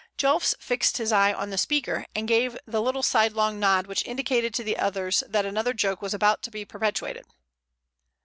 Jelfs fixed his eyes on the speaker, and gave the little sidelong nod which indicated to the others that another joke was about to be perpetrated.